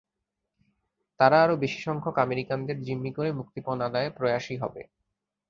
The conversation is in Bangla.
তারা আরও বেশি সংখ্যক আমেরিকানদের জিম্মি করে মুক্তিপণ আদায়ে প্রয়াসী হবে।